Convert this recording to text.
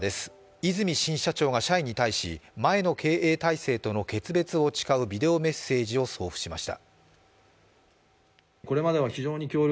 和泉新社長が社員に対し、前の体制との決別を誓うビデオメッセージを送付しました。